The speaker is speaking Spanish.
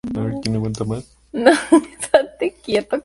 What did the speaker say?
Impuesta la misión, la cumplirá hasta el fin.